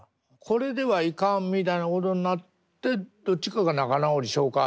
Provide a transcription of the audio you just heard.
「これではいかん」みたいなことになってどっちかが「仲直りしよか」